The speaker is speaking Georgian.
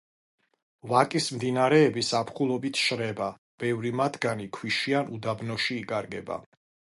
ვაკის მდინარეები ზაფხულობით შრება, ბევრი მათგანი ქვიშიან უდაბნოში იკარგება.